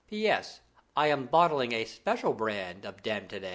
"P.S. I am bottling a special brand of Damtidam."